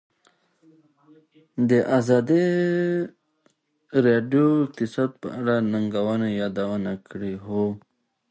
ازادي راډیو د اقتصاد په اړه د ننګونو یادونه کړې.